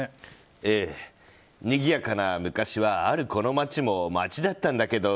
にぎやかな昔はあるこの町も町だったんだけど。